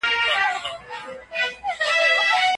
که فرد له ټولنې جلا سي ستونزې ګالي.